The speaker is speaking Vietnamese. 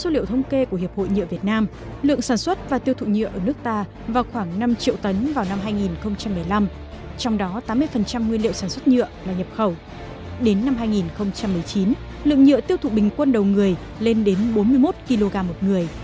lượng nhựa tiêu thụ bình quân đầu người lên đến bốn mươi một kg một người